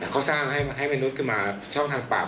เขาสร้างให้มนุษย์ขึ้นมาช่องทางปาก